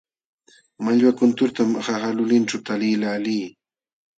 Mallwa kunturtam qaqa lulinćhu taliqlaalii.